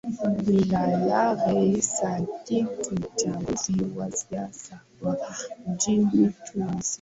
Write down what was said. ni la labre sadik mchambuzi wa siasa wa nchini tunisia